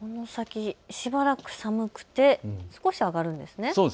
しばらく寒くて少し上がるんですね。